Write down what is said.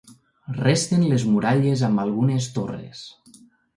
Resten les muralles amb algunes torres.